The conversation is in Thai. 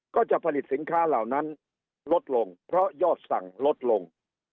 ก็จะผลิตสินค้าเหล่านั้นลดลงเพราะยอดสั่งลดลง